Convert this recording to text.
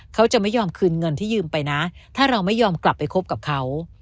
เขาจะไม่ยอมคืนเงินที่ยืมไปนะถ้าเราไม่ยอมกลับไปคบกับเขา